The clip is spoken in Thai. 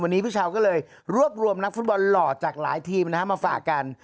วันนี้พี่เช้าก็เลยรวบรวมนักฟุตบอลหล่อจากหลายทีมมาฝากกัน